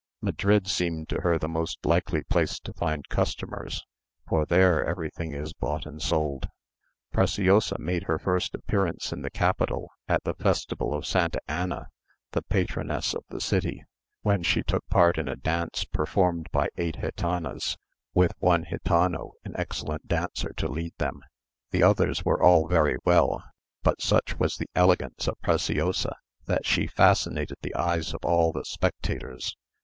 Madrid seemed to her the most likely place to find customers; for there everything is bought and sold. Preciosa made her first appearance in the capital on the festival of Santa Anna, the patroness of the city, when she took part in a dance performed by eight gitanas, with one gitano, an excellent dancer, to lead them. The others were all very well, but such was the elegance of Preciosa, that she fascinated the eyes of all the spectators.